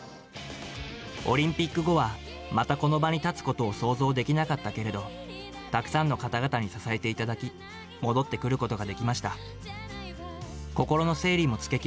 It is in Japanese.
オリンピック後は、またこの場に立つことを想像できなかったけれど、たくさんの方々に支えていただき、戻ってくることができました。